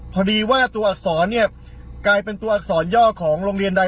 พอดีว่าตัวอักษรเนี่ยกลายเป็นตัวอักษรย่อของโรงเรียนใด